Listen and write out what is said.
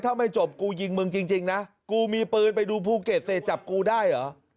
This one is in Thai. ถ้าไม่จบกูยิงมึงจริงนะกูมีปืนไปดูภูเก็ตเสร็จจับกูได้เหรอ